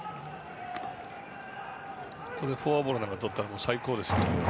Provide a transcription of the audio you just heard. ここでフォアボールなんかとったら最高ですね。